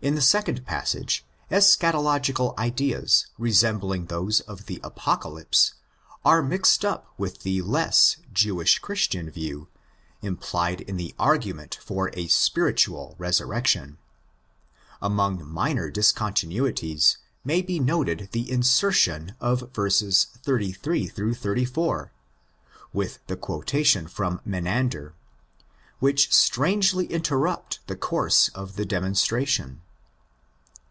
In the second passage, eschato logical ideas resembling those of the Apocalypse are mixed up with the less '' Jewish Christian ᾿᾿ view implied in the argument for a " spiritual' resurrec tion. Among minor discontinuities may be noted the insertion of verses 838 84 (with the quotation from Menander), which strangely interrupt the course of the demonstration.